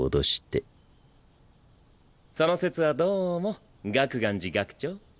その節はどうも楽巌寺学長。